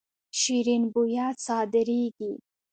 شیرین بویه صادریږي.